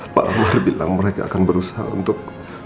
pak luhur bilang mereka akan berusaha untuk